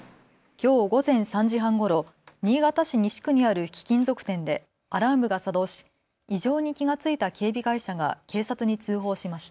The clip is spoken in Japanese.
きょう午前３時半ごろ、新潟市西区にある貴金属店でアラームが作動し異常に気が付いた警備会社が警察に通報しました。